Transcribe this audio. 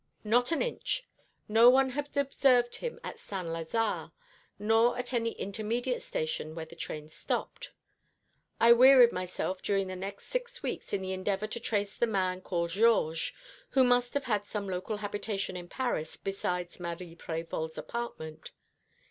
"Not an inch. No one had observed him at Saint Lazare, nor at any intermediate station where the train stopped. I wearied myself during the next six weeks in the endeavour to trace the man called Georges, who must have had some local habitation in Paris besides Marie Prévol's apartment.